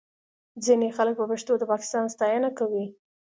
ځینې خلک په پښتو د پاکستان ستاینه کوي